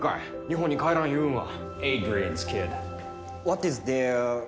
日本に帰らんいうんは。